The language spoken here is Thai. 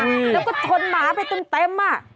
แล้วก็ชนหมาไปเต็มอ่ะ